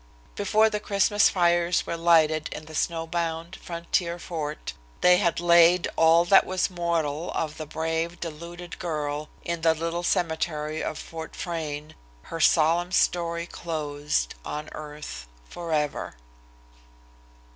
Before the Christmas fires were lighted in the snowbound, frontier fort, they had laid all that was mortal of the brave, deluded girl in the little cemetery of Fort Frayne, her solemn story closed, on earth, forever.